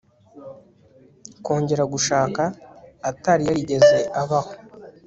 kongera gushaka atari yarigeze abaho